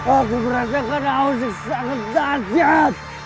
aku merasakan ausis sangat tajam